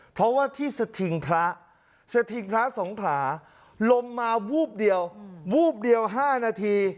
เพราะว่าที่สถิงพระสถิงพระสงขลาลมมาวูบเดียววูบเดียว๕นาที